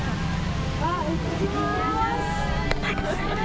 行ってきます！